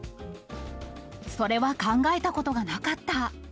それは考えたことがなかった。